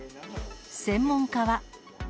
専門家は。